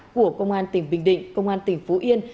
của công an tỉnh bình định công an tỉnh phú yên